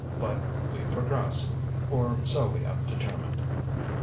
But we "progress" or so we have determined.